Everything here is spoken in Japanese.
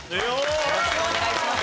よろしくお願いします